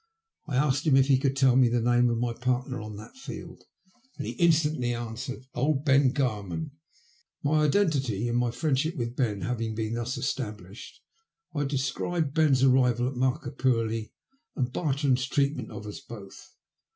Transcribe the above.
I asked him if he could tell me the name of my partner on that field, and he instantly answered '' Old Ben Garman." My identity and my friendship with Ben having been thus established, I described Ben's arrival at Markapurlie, and Bartrand's treatment of ua both.